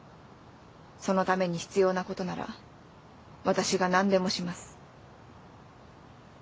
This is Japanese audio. そのために必要なことなら私が何でもします。